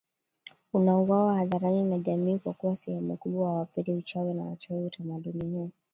unauwawa hadharani na jamii kwa kuwa sehemu kubwa hawapendi uchawi na wachawi Utamaduni huu